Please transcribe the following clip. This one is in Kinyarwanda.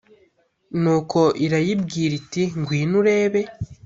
Nuko irayibwira iti :ngwino urebe